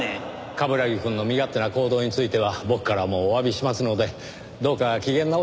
冠城くんの身勝手な行動については僕からもお詫びしますのでどうか機嫌直してくださいな。